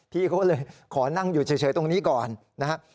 พี่เขาเลยขอนั่งอยู่เฉยตรงนี้ก่อนนะครับ